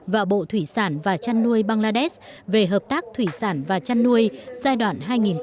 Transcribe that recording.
và bộ thủy sản và trăn nuôi bangladesh về hợp tác thủy sản và trăn nuôi giai đoạn hai nghìn một mươi tám hai nghìn hai mươi hai